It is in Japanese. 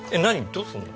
どうするの？